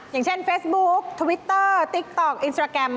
อย่างเช่นเฟซบุ๊คทวิตเตอร์ติ๊กต๊อกอินสตราแกรม